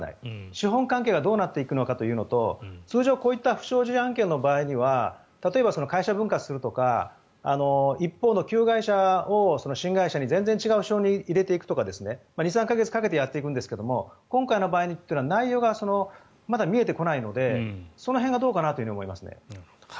資本関係がどうなっていくのかというのと通常こういった不祥事案件については会社分割するとか一方の旧会社から新会社に全然違う人を入れていくとか２３か月かけてやっていくんですが今回の場合というのは内容がまだ見えてこないのでその辺がどうかなと思いますね。